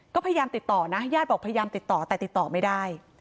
ก็พยายามติดต่อนะญาติบอกพยายามติดต่อแต่ติดต่อไม่ได้